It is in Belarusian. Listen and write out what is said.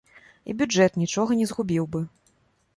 І бюджэт нічога не згубіў бы.